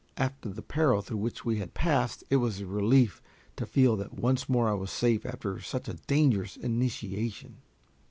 After the peril through which we had passed, it was a relief to feel that once more I was safe after such a dangerous initiation.